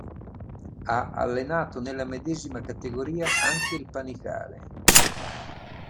Ha allenato nella medesima categoria anche il Panicale.